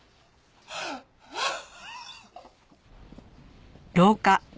ああ。